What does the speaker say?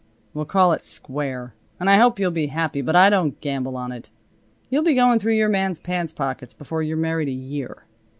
We'll call it square. And I hope you'll be happy, but I don't gamble on it. You'll be goin' through your man's pants pockets before you're married a year.